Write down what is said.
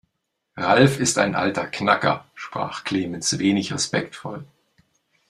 Ralf ist ein alter Knacker, sprach Clemens wenig respektvoll.